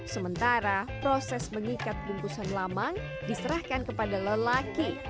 sementara proses mengikat bungkusan lamang diserahkan kepada lelaki